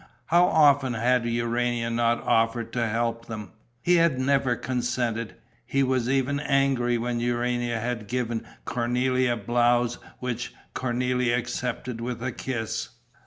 How often had Urania not offered to help them! He had never consented; he was even angry when Urania had given Cornélie a blouse which Cornélie accepted with a kiss.